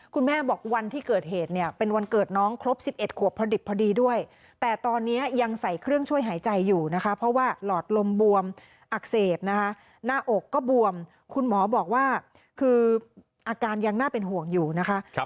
คุณแม่บอกวันที่เกิดเหตุเนี่ยเป็นวันเกิดน้องครบ๑๑ขวบพอดิบพอดีด้วยแต่ตอนนี้ยังใส่เครื่องช่วยหายใจอยู่นะคะเพราะว่าหลอดลมบวมอักเสบนะคะหน้าอกก็บวมคุณหมอบอกว่าคืออาการยังน่าเป็นห่วงอยู่นะคะ